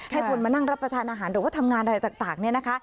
ให้คนมานั่งรับประทานอาหารหรือว่าทำงานอะไรต่างเนี่ยนะคะ